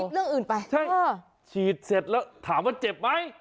เรื่องอื่นไปใช่เออฉีดเสร็จแล้วถามว่าเจ็บไหม